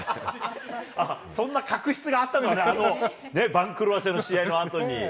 そんな確執があったんだ、あの番狂わせの試合のあとに。